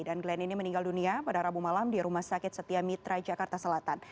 dan glenn ini meninggal dunia pada rabu malam di rumah sakit setia mitra jakarta selatan